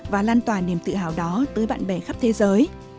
và lan tỏa niềm tự hào đó tới bạn bè khắp thế giới